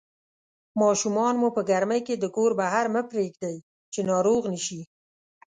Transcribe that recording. ماشومان مو په ګرمۍ کې د کور بهر مه پرېږدئ چې ناروغ نشي